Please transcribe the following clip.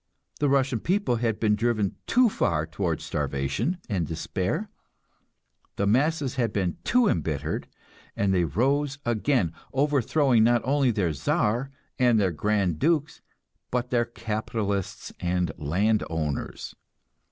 The Russian people had been driven too far towards starvation and despair; the masses had been too embittered, and they rose again, overthrowing not only their Czar and their grand dukes, but their capitalists and land owners.